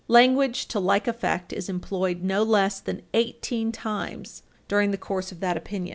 Language to like effect is employed Page 334 U. S. 15 no less than eighteen times during the course of that opinion.